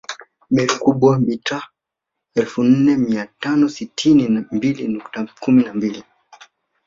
Meru Kubwa mita elfu nne mia tano sitini na mbili nukta kumi na mbili